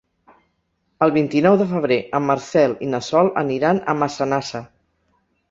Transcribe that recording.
El vint-i-nou de febrer en Marcel i na Sol aniran a Massanassa.